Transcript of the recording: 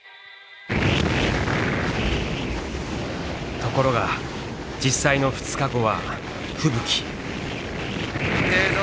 ところが実際の２日後は吹雪。